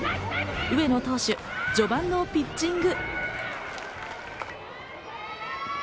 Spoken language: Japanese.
上野投手、序盤のピッチング。